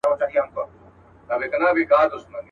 پاچهي دي مبارک سه چوروندکه.